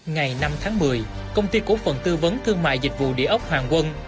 ngày năm tháng một mươi công ty cổ phần tư vấn thương mại dịch vụ địa ốc hoàng quân